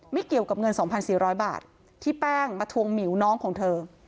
เกี่ยวกับเงิน๒๔๐๐บาทที่แป้งมาทวงหมิวน้องของเธอ